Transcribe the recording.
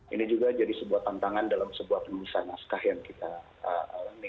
ini juga jadi sebuah tantangan dalam sebuah penulisan naskah yang kita alami